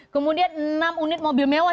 kemudian enam unit mobil mewah